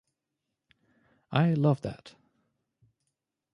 I love that.